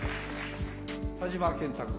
田島健太君。